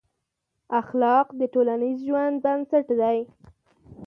اخلاق د ټولنیز ژوند بنسټ دی.